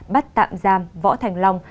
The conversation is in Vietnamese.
bắt tạm giam võ thành long